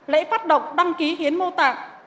lễ phát động đăng ký hiến mô tạng